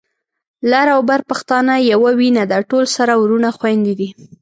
لر او بر پښتانه يوه وینه ده، ټول سره وروڼه خويندي دي